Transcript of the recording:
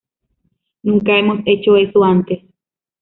Nunca hemos hecho eso antes".